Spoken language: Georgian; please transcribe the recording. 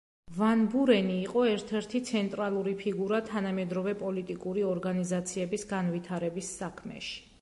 ვან ბურენი იყო ერთ-ერთი ცენტრალური ფიგურა თანამედროვე პოლიტიკური ორგანიზაციების განვითარების საქმეში.